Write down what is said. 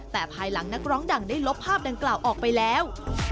แต่ภายหลังนักร้องดังได้ลบภาพดังกล่าวออกไปแล้ว